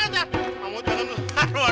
jangan jangan jangan